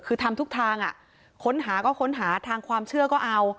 คือทำทุกทางค้นหาก็ค้นหาทางความเชื่อก็เอา